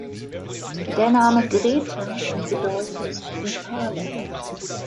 Der Name Greta bedeutet „Die Perle“.